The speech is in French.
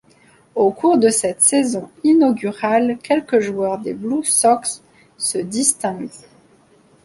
Au cours de cette saison inaugurale, quelques joueurs des Blue Sox se distinguent.